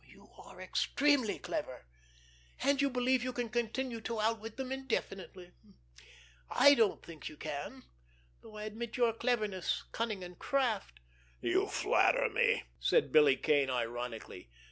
You are extremely clever—and you believe you can continue to outwit them indefinitely. I don't think you can, though I admit your cleverness, cunning and craft." "You flatter me!" said Billy Kane ironically.